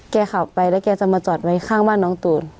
ขับไปแล้วแกจะมาจอดไว้ข้างบ้านน้องตูน